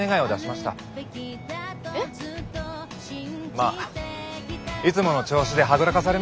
まあいつもの調子ではぐらかされましたけどね。